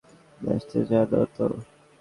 নাচতে জানো তো?